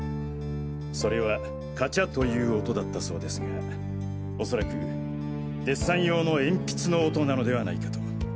それは「カチャ」という音だったそうですがおそらくデッサン用の鉛筆の音なのではないかと。